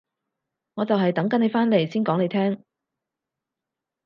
我就係等緊你返嚟先講你聽